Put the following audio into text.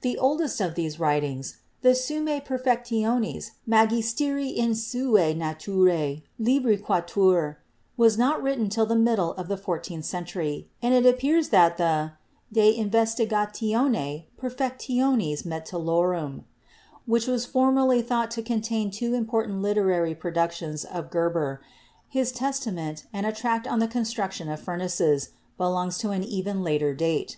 The oldest of these writings, the "Summae Perfectionis magisterii in sua natura Libri IV," was not written till the middle of the fourteenth century, and it appears that the "De In vestigatione perfectionis Metallorum," which was formerly thought to contain two important literary productions of Geber — his testament and a tract on the construction of furnaces — belongs to an even later date.